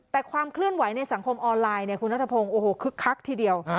แต่ความเคลื่อนไหวในสังคมออนไลน์เนี่ยคุณนัทพงศ์โอ้โหคึกคักทีเดียว